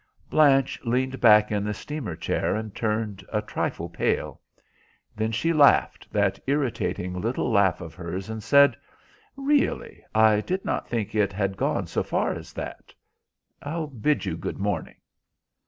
Blanche leaned back in the steamer chair and turned a trifle pale. Then she laughed, that irritating little laugh of hers, and said, "Really I did not think it had gone so far as that. I'll bid you good morning."